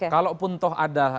kalaupun toh ada